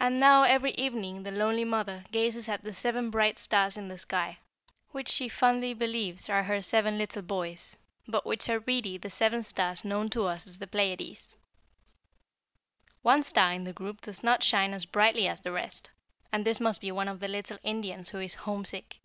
"And now every evening the lonely mother gazes at seven bright stars in the sky, which she fondly believes are her seven little boys, but which are really the seven stars known to us as the Pleiades. One star in the group does not shine as brightly as the rest, and this must be one of the little Indians who is homesick."